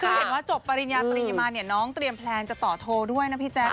คือเห็นว่าจบปริญญาตรีมาเนี่ยน้องเตรียมแพลนจะต่อโทรด้วยนะพี่แจ๊ค